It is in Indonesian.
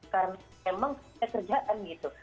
karena memang pekerjaan gitu